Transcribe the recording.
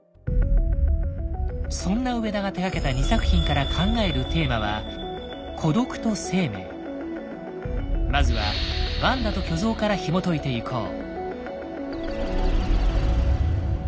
そんな上田が手がけた２作品から考えるテーマはまずは「ワンダと巨像」からひもといていこう。